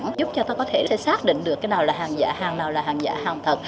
nó giúp cho ta có thể xác định được cái nào là hàng giả hàng nào là hàng giả hàng thật